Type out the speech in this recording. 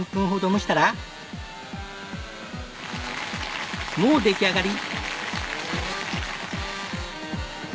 もう出来上がり！